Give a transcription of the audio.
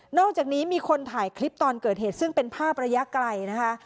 อกจากนี้มีคนถ่ายคลิปตอนเกิดเหตุซึ่งเป็นภาพระยะไกลนะคะ